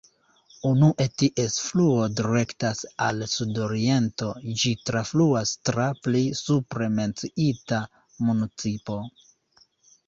Unue ties fluo direktas al sudoriento, ĝi trafluas tra pli supre menciita municipo.